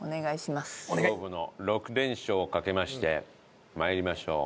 勝負の６連勝をかけまして参りましょう。